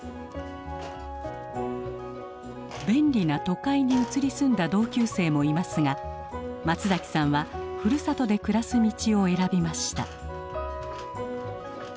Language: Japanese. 便利な都会に移り住んだ同級生もいますが松さんはふるさとで暮らす道を選びました。